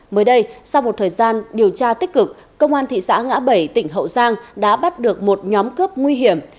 mới đây sau một thời gian điều tra tích cực công an thị xã ngã bảy tỉnh hậu giang đã bắt được một nhóm cướp nguy hiểm